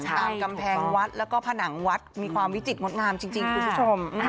ตามกำแพงวัดแล้วก็ผนังวัดมีความวิจิตรงดงามจริงคุณผู้ชม